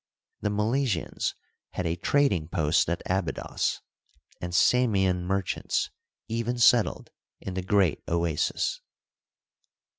The Milesians had a trading post at Abydos, and Samian merchants even settled in the Great Oasis.